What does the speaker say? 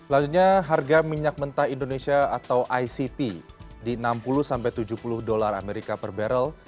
lanjutnya harga minyak mentah indonesia atau icp di rp enam puluh sampai rp tujuh puluh per barrel